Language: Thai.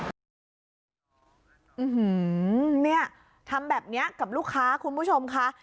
เนี่ยทำแบบนี้กับลูกค้าคุณผู้ชมคะ